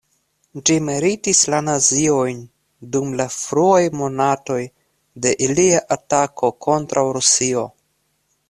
Ĝi meritis la naziojn dum la fruaj monatoj de ilia atako kontraŭ Rusio.